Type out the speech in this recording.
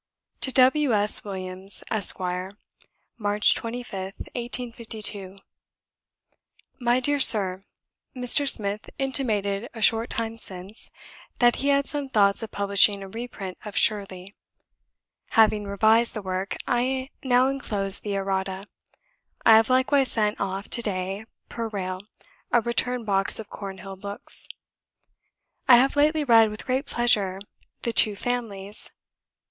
To W. S. WILLIAMS, ESQ. "March 25th, 1852. "My dear Sir, Mr. Smith intimated a short time since, that he had some thoughts of publishing a reprint of Shirley. Having revised the work, I now enclose the errata. I have likewise sent off to day, per rail, a return box of Cornhill books. "I have lately read with great pleasure, 'The Two Families.'